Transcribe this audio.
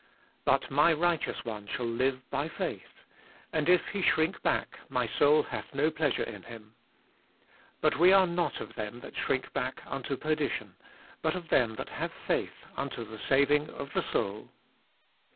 38. But my righteous one shall live by faith : And if he shrink back,1 my soul hath no pleasure in Mm. 39. But we are not of them that shrink back unto perdition ; but of them that have faith unto the saving of the soul.